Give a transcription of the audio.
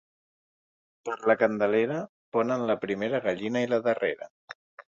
Per la Candelera ponen la primera gallina i la darrera.